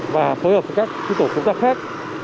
và phối hợp với các tổ công tác khác